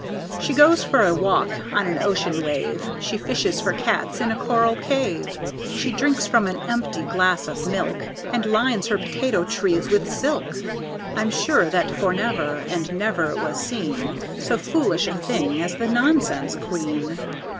She goes for a walk on an ocean wave, She fishes for cats in a coral cave; She drinks from an empty glass of milk, And lines her potato trees with silk. I'm sure that fornever and never was seen So foolish a thing as the Nonsense Queen!